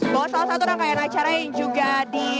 bahwa salah satu rangkaian acara yang juga di